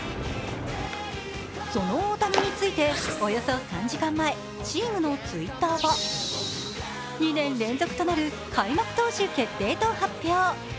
その大谷について、およそ３時間前チームのＴｗｉｔｔｅｒは２年連続となる開幕投手決定と発表